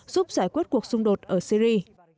giúp giải quyết cuộc xung đột ở syri